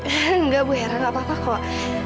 enggak bu hera nggak apa apa kok